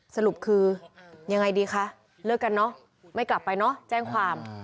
สรุปคือยังไงดีคะเลิกกันเนอะไม่กลับไปเนอะแจ้งความ